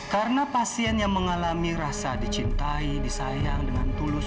karena pasien yang mengalami rasa dicintai disayang dengan tulus